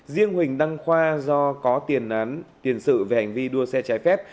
riêng huỳnh đăng khoa do có tiền sử về hành vi đua xe trái phép